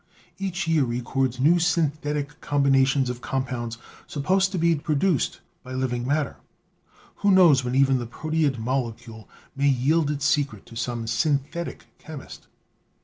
Each year records new synthetic combinations of compounds supposed to be produced by living matter. Who knows when even the proteid molecule may yield its secret to some synthetic chemist?